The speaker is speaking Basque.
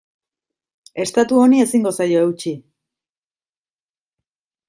Estatu honi ezingo zaio eutsi.